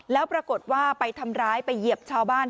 แล้วปรากฏว่าไปทำร้ายไปเหยียบชาวบ้าน